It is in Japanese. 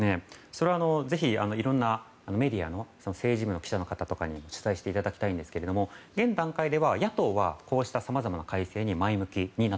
それはぜひ、いろんなメディアの政治部の記者の方に取材していただきたいんですが現段階では、野党はこうしたさまざまな改正に前向きです